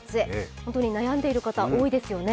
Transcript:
本当に悩んでいる方、多いですよね